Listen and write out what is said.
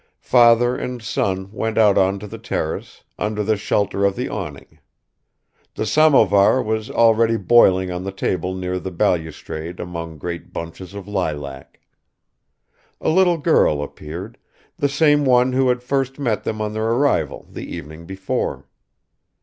Father and son went out on to the terrace under the shelter of the awning; the samovar was already boiling on the table near the balustrade among great bunches of lilac. A little girl appeared, the same one who had first met them on their arrival the evening before.